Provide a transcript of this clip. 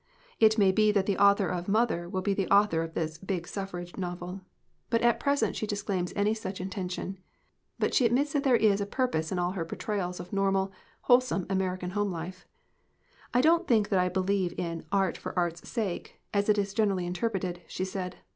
It may be that the author of Mother will be the author of this "big suffrage novel." But at pres ent she disclaims any such intention. But she admits that there is a purpose in all her por trayals of normal, wholesome American home life. "I don't think that I believe in 'art for art's sake,' as it is generally interpreted," she said.